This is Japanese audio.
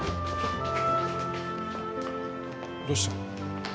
どうした？